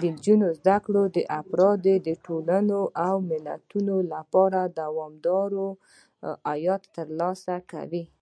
د نجونو زده کړه د افرادو، ټولنو او ملتونو لپاره دوامداره عاید ترلاسه کوي.